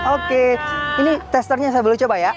oke ini testernya saya boleh coba ya